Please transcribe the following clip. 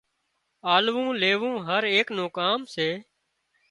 آللون ليوون هر ايڪ نُون ڪام سي